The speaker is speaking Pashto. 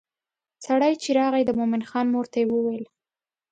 سړی چې راغی د مومن خان مور ته یې وویل.